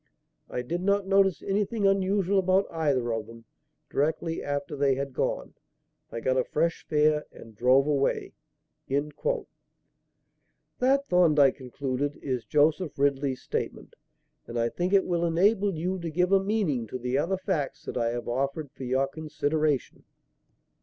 I did not notice anything unusual about either of them. Directly after they had gone, I got a fresh fare and drove away.' "That," Thorndyke concluded, "is Joseph Ridley's statement; and I think it will enable you to give a meaning to the other facts that I have offered for your consideration."